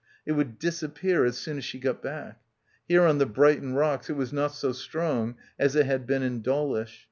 It would disappear as soon as she got back. Here on the Brighton rocks it was not so strong as it had been in Dawlish.